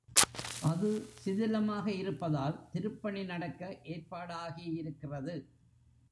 அது சிதிலமாக இருப்பதால் திருப்பணி நடக்க ஏற்பாடாகியிருக்கிறது.